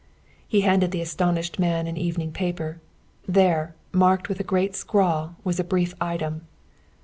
He handed to the astonished man an evening paper. There, marked with a great scrawl, was a brief item.